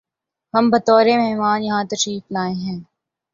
ہم بطور مہمان یہاں تشریف لائے ہیں